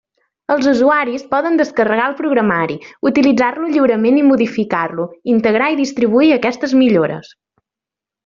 Els usuaris poden descarregar el programari, utilitzar-lo lliurement i modificar-lo, integrar i distribuir aquestes millores.